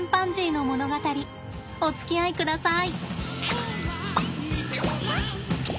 おつきあいください。